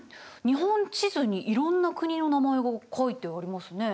日本地図にいろんな国の名前が書いてありますね。